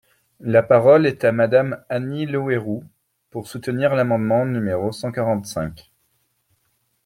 La parole est à Madame Annie Le Houerou, pour soutenir l’amendement numéro cent quarante-cinq.